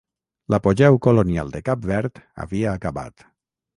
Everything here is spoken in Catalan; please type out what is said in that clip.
L'apogeu colonial de Cap Verd havia acabat.